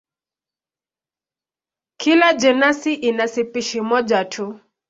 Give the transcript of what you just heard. Kila jenasi ina spishi moja tu.